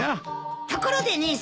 ところで姉さん。